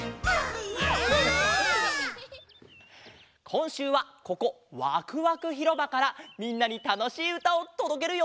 こんしゅうはここわくわくひろばからみんなにたのしいうたをとどけるよ！